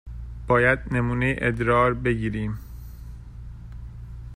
باید نمونه ادرار بگیریم.